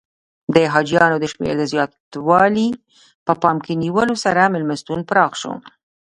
د حاجیانو د شمېر د زیاتوالي په پام کې نیولو سره میلمستون پراخ شو.